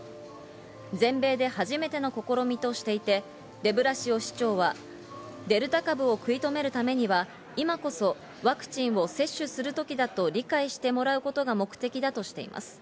全米で初めての試みとして、デブラシオ市長はデルタ株を食い止めるためには今こそワクチンを接種する時だと理解してもらうことが目的だとしています。